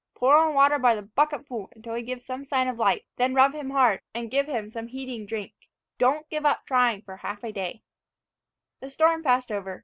Pour on water by the bucket full, until he gives some signs of life; then rub him hard, and give him some heating drink. Don't give up trying for half a day." The storm passed over.